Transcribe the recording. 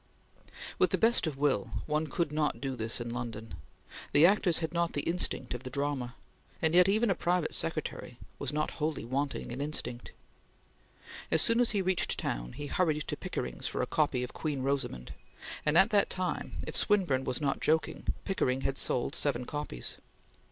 "' With the best of will, one could not do this in London; the actors had not the instinct of the drama; and yet even a private secretary was not wholly wanting in instinct. As soon as he reached town he hurried to Pickering's for a copy of "Queen Rosamund," and at that time, if Swinburne was not joking, Pickering had sold seven copies.